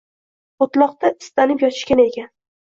O’tloqda istanib yotishgan ekan